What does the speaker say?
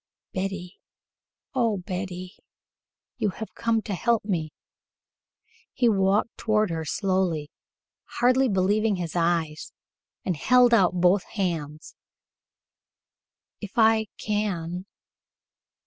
"Betty! oh, Betty! You have come to help me." He walked toward her slowly, hardly believing his eyes, and held out both hands. "If I can.